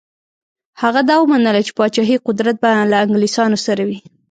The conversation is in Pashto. هغه دا ومنله چې پاچهي قدرت به له انګلیسیانو سره وي.